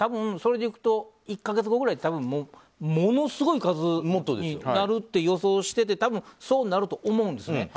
それでいくと１か月くらいにはものすごい数になると予想してて多分、そうなると思うんですね。